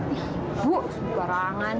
ih bu semukarangan